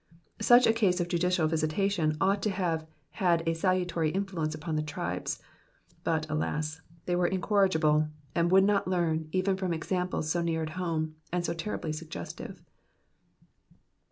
Stich a case of judicitil visitation ought to have had a salutary influence upon the tribes ; but, alas, they were incorrigible, and would not learu even irom examples so near at home and so teriibly suggestive.